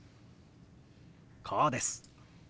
こうです。